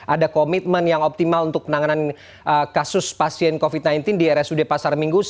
ada komitmen yang optimal untuk penanganan kasus pasien covid sembilan belas di rsud pasar minggu